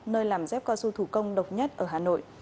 nơi làm dép cao su thủ công độc nhất ở hà nội